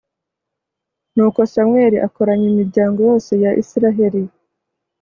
nuko samweli akoranya imiryango yose ya israheli